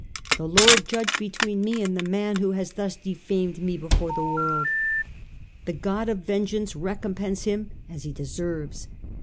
" The Lord judge between me and the man who has thus defamed me before the world. The God of vengeance recompense him as he deserves.